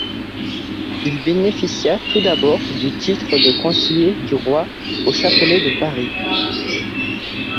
Il bénéficia tout d'abord du titre de conseiller du Roi au Châtelet de Paris.